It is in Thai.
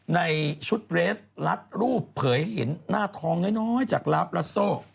ในชุดเรสลัดรูปเผยให้เห็นหน้าทองน้อยจากลาฟลัสโซ